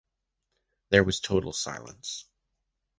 There was total silence.